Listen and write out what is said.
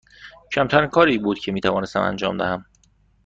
کمترین کاری بود که می توانستم انجام دهم.